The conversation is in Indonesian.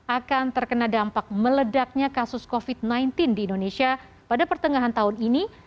akan terkena dampak meledaknya kasus covid sembilan belas di indonesia pada pertengahan tahun ini